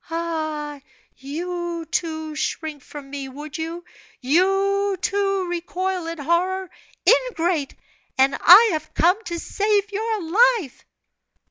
"Ah! you, too, shrink from me, would you? You, too, recoil in horror! Ingrate! And I have come to save your life!"